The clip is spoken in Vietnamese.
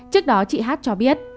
trước đó chị h cho biết